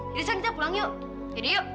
jadi sekarang kita pulang yuk